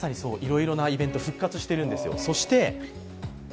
いろいろなイベント、復活してるんですよ。